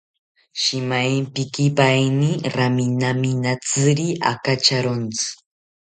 Shimaempikipaeni raminaminatziri akacharontzi